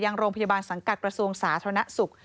ยังโรงพยาบาลสังกัดกระทรวงสาธารณสุข